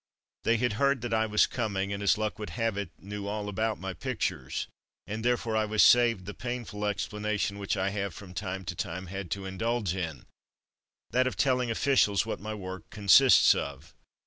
They had heard that I was coming, and as luck would have it knew all about my pictures, and therefore I was saved the painful explanation which I have from time to time had to indulge in — that of telling officials what my work con sists of.